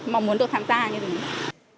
mong muốn được tham gia như thế này